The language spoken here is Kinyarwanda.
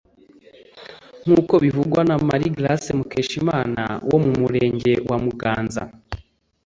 nk’uko bivugwa na Marie Grâce Mukeshimana wo mu Murenge wa Muganza